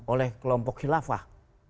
oleh kelompok khilafah